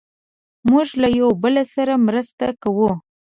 موږ له یو بل سره مرسته کوو.